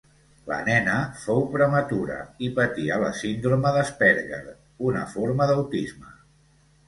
La nena fou prematura i patia la síndrome d'Asperger, una forma d'autisme.